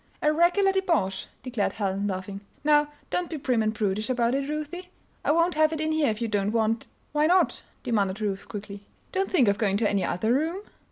"A regular debauch!" declared Helen, laughing. "Now, don't be prim and prudish about it, Ruthie. I won't have it in here if you don't want " "Why not?" demanded Ruth, quickly. "Don't think of going to any other room."